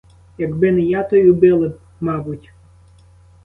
Якби не я, то й убили б, мабуть.